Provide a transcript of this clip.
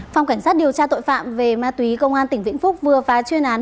phòng cảnh sát điều tra tội phạm về ma túy công an tỉnh vĩnh phúc vừa phá chuyên án